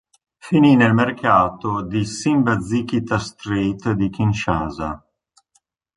Finì nel mercato di "Simbazikita street" di Kinshasa.